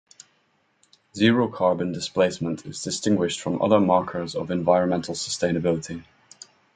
Zero Carbon Displacement is distinguished from other markers of environmental sustainability.